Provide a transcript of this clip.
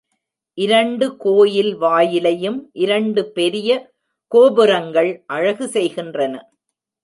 இரண்டு கோயில் வாயிலையும் இரண்டு பெரிய கோபுரங்கள் அழகு செய்கின்றன.